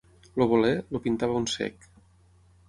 El voler, el pintava un cec.